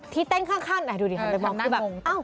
ทิศเต้นข้างอ่ะดูดิแหลมมอง